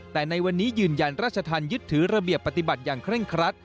แต่ในวันนี้ยืนยันราชธรรมยึดถือระเบียบปฏิบัติอย่างเร่งครัด